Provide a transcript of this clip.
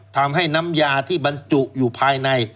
ทำให้น้ำยาที่บรรจุอยู่ภายใน